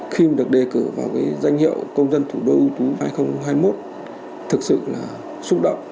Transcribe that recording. khi được đề cử vào danh hiệu công dân thủ đô ưu tú hai nghìn hai mươi một thực sự là xúc động